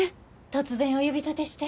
突然お呼び立てして。